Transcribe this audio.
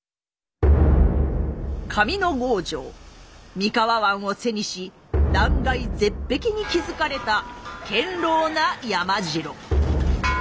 上ノ郷城三河湾を背にし断崖絶壁に築かれた堅牢な山城。